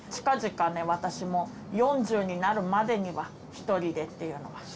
近々ね私も４０になるまでには一人でっていうのは。